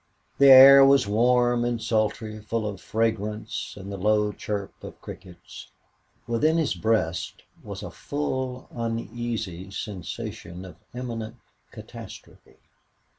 The air was warm and sultry, full of fragrance and the low chirp of crickets. Within his breast was a full uneasy sensation of imminent catastrophe.